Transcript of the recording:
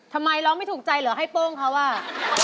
ทำไมล้อไม่ถูกใจเหรอให้โป้งค่ะว่า